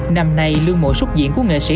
năm nay lương mộ xuất diện của nghệ sĩ